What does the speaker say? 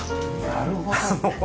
なるほど。